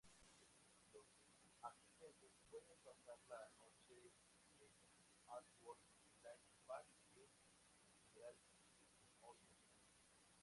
Los asistentes pueden pasar la noche en Atwood Lake Park en Mineral City, Ohio.